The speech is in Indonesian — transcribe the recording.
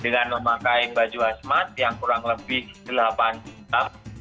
dengan memakai baju asmat yang kurang lebih delapan jam